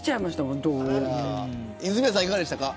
泉谷さん、いかがでしたか。